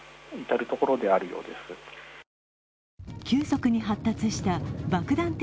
急速に発達した爆弾